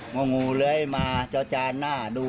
มุ่งหุเหล้มาจะน่าดู